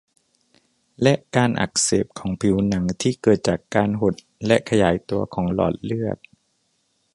และการอักเสบของผิวหนังที่เกิดจากการหดและขยายตัวของหลอดเลือด